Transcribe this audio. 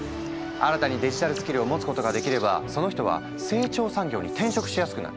新たにデジタルスキルを持つことができればその人は成長産業に転職しやすくなる。